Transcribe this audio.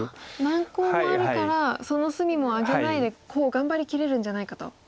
何コウもあるからその隅もあげないでコウを頑張りきれるんじゃないかと。